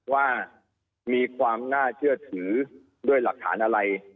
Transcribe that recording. ว่ามีความน่าเชื่อถือด้วยหลักฐานอะไร